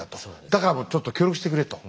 だからもうちょっと協力してくれと。